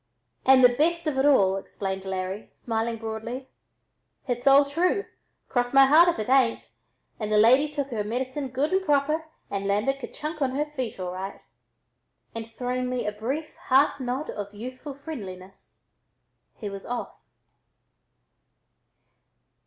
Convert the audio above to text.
"And the best of it all," explained Larry, smiling broadly; "h'it's all true, cross my heart if it tain't, and the lady took her medicine good and proper and landed kerchunk on her feet all right." And throwing me a brief half nod of youthful friendliness he was off.